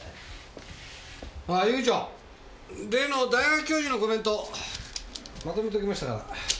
ああ遊軍長例の大学教授のコメントまとめときましたから。